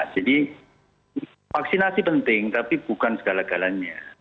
jadi vaksinasi penting tapi bukan segala galanya